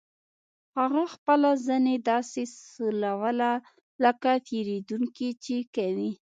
هغه خپله زنې داسې سولوله لکه پیرودونکي چې کوي